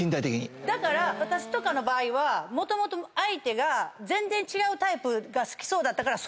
だから私とかの場合はもともと相手が全然違うタイプが好きそうだったから